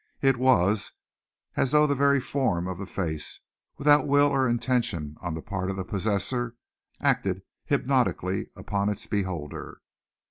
It was as though the very form of the face, without will or intention on the part of the possessor, acted hypnotically upon its beholder.